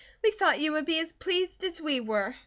We thought you would be as pleased as we were."